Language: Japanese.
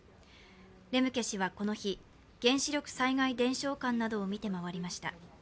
レムケ氏はこの日、原子力災害伝承館などを見て回りました。